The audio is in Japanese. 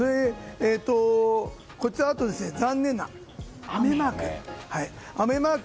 こちらは残念な雨マーク。